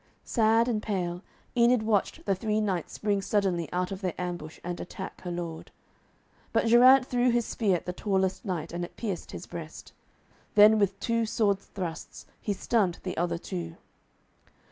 Sad and pale, Enid watched the three knights spring suddenly out of their ambush and attack her lord. But Geraint threw his spear at the tallest knight, and it pierced his breast. Then with two sword thrusts, he stunned the other two.